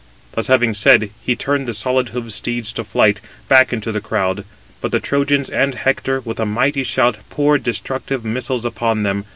Thus having said, he turned the solid hoofed steeds to flight, back into the crowd. But the Trojans and Hector, with a mighty shout, poured destructive missiles upon them.